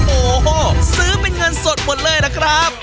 โอ้โหซื้อเป็นเงินสดหมดเลยล่ะครับ